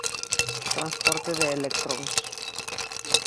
Transporte de electróns.